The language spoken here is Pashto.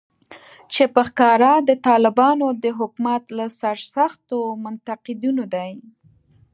چې په ښکاره د طالبانو د حکومت له سرسختو منتقدینو دی